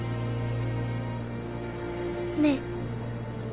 ねえ。